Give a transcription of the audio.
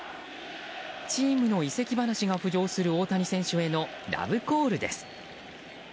チームの移籍話が浮上する大谷選手へのラブコールです。